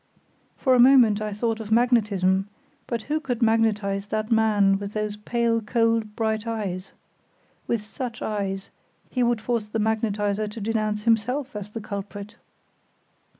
For a moment, I thought of magnetism, but who could magnetize that man with those pale, cold, bright eyes? With such eyes, he would force the magnetizer to denounce himself as the culprit."